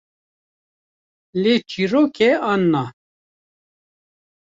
Lê çîrok e, an na?